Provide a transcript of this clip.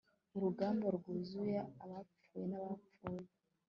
urugamba rwuzuye abapfuye n'abapfuye